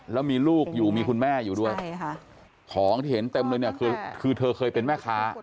แล้วมีลูกอยู่มีคุณแม่อยู่ด้วยของที่เห็นเต็มเลยเนี่ยคือเธอเคยเป็นแม่ค้า